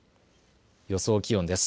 予想気温です。